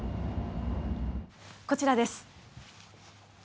こちらです。